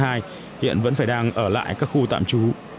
hiện vẫn phải đang ở lại các khu tạm trú